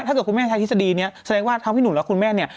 ถ้าเกิดคุณแม่ใช้ทฤษฎีนี้แสดงว่าเท่าที่หนูแล้วคุณแม่เนี่ย